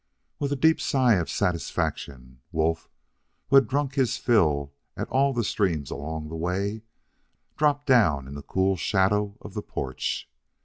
With a deep sigh of satisfaction, Wolf, who had drunk his fill at all the streams along the way, dropped down in the cool shadow of the porch.